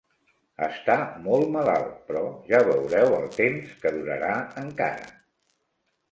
Està molt malalt, però ja veureu el temps que durarà, encara!